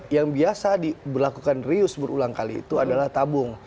yang biasa diberlakukan rius berulang kali itu adalah tabung